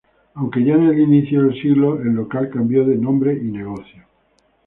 Aunque, ya en el inicio del siglo el local cambió de nombre y negocio.